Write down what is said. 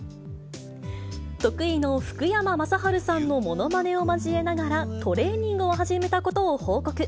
得意の福山雅治さんのものまねを交えながら、トレーニングを始めたことを報告。